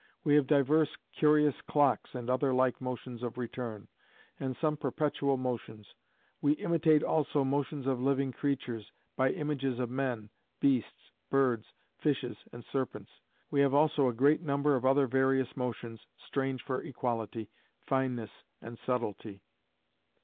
We have divers curious clocks, and other like motions of return: and some perpetual motions. We imitate also motions of living creatures, by images, of men, beasts, birds, fishes, and serpents. We have also a great number of other various motions, strange for equality, fineness, and subtilty.